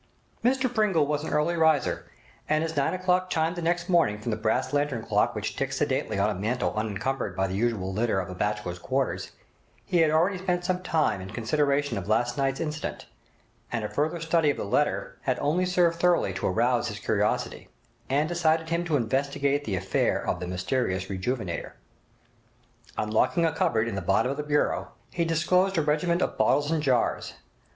Mr Pringle was an early riser, and as nine o'clock chimed the next morning from the brass lantern clock which ticked sedately on a mantel unencumbered by the usual litter of a bachelor's quarters, he had already spent some time in consideration of last night's incident, and a further study of the letter had only served thoroughly to arouse his curiosity, and decided him to investigate the affair of the mysterious 'Rejuvenator'. Unlocking a cupboard in the bottom of the bureau, he disclosed a regiment of bottles and jars.